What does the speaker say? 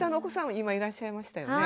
今いらっしゃいましたよね。